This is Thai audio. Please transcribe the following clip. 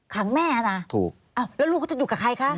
ขังแม่นะถูกอ้าวแล้วลูกเขาจะอยู่กับใครคะ